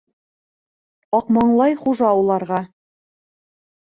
Аҡмаңлай хужа уларға.